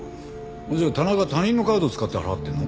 それじゃあ田中は他人のカードを使って払ってるの？